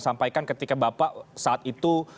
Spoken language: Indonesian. sampaikan ketika bapak saat itu